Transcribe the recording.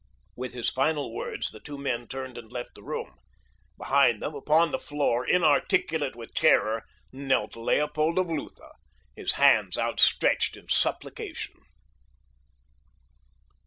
With his final words the two men turned and left the room. Behind them, upon the floor, inarticulate with terror, knelt Leopold of Lutha, his hands outstretched in supplication.